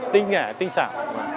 tinh hẻ tinh sản